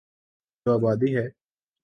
جو آبادی ہے۔